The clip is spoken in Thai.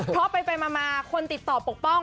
เพราะไปมาคนติดต่อปกป้อง